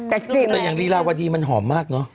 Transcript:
แต่อย่างลีลาวดีมันหอมมากเนอะ